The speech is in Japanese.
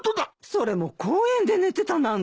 それも公園で寝てたなんて。